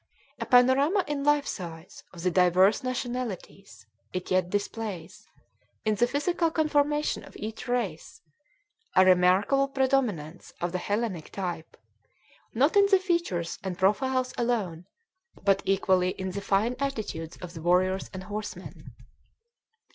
A panorama in life size of the diverse nationalities, it yet displays, in the physical conformation of each race, a remarkable predominance of the Hellenic type not in the features and profiles alone, but equally in the fine attitudes of the warriors and horsemen.